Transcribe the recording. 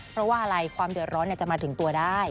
เพราะว่าอะไรความเดือดร้อนจะมาถึงตัวได้